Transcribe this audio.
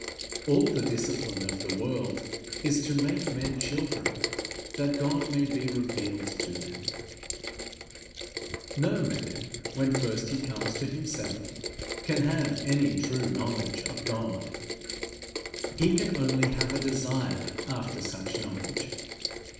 All the discipline of the world is to make men children, that God may be revealed to them. No man, when first he comes to himself, can have any true knowledge of God; he can only have a desire after such knowledge.